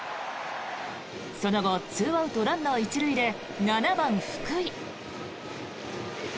その後２アウト、ランナー１塁で７番、福井。